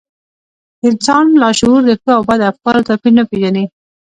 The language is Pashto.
د انسان لاشعور د ښو او بدو افکارو توپير نه پېژني.